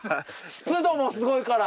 湿度もすごいから。